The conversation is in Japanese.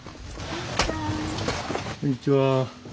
こんにちは。